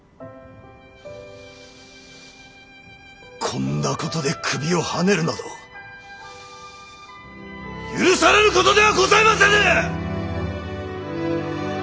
こんなことで首をはねるなど許されることではございませぬ！